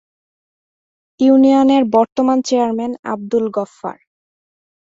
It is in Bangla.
ইউনিয়নের বর্তমান চেয়ারম্যান আবদুল গোফফার।